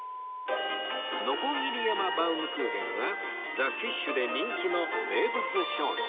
のこぎり山バウムクーヘンは ｔｈｅＦｉｓｈ で人気の名物商品